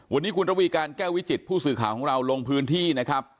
วันนี้คุณระวีการแก้ววิจิตผู้สื่อข่าวของเราลงพื้นที่นะครับ